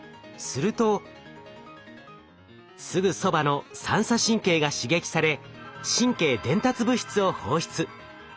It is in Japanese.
するとすぐそばの三叉神経が刺激され神経伝達物質を放出。